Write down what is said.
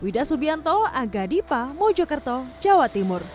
wida subianto aga dipa mojokerto jawa timur